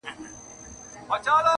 o چي بد غواړې، پر بدو به واوړې٫